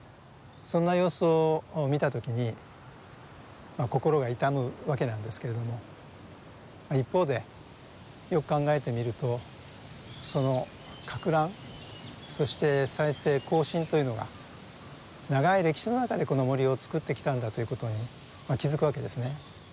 そんな様子を見た時に心が痛むわけなんですけれども一方でよく考えてみるとその攪乱そして再生更新というのが長い歴史の中でこの森を作ってきたんだということに気付くわけですね。